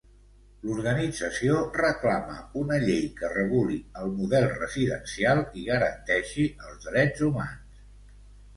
L'organització reclama una llei que reguli el model residencial i garanteixi els drets humans.